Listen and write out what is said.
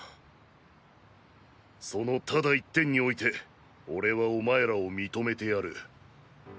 そのただ一点において俺はお前らを認めてやる。